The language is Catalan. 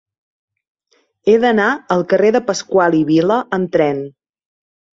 He d'anar al carrer de Pascual i Vila amb tren.